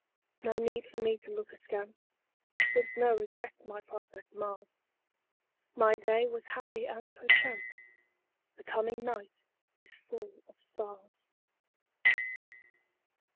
No need for me to look askance, Since no regret my prospect mars. My day was happy and perchance The coming night is full of stars.